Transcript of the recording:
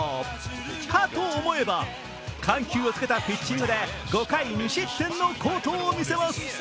かと思えば、緩急をつけたピッチングで５回２失点の好投を見せます。